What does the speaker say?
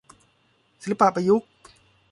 ศิลปะประยุกต์